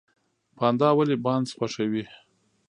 پاندا ولې بانس خوښوي؟